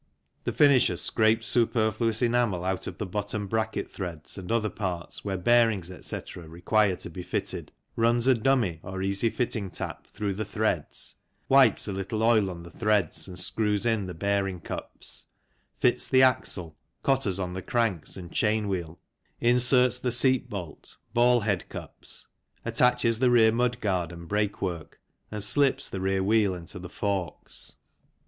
The finisher scrapes superfluous enamel out of the bottom bracket threads, and other parts where bearings, etc., require to be fitted, runs a dummy, or easy fitting tap, through the threads, wipes a little oil on the threads and screws in the bearing cups, fits the axle, cotters on the cranks and chain wheel, inserts the seat bolt, ball head cups, attaches the rear mudguard and brake work, and slips the rear wheel into the forks.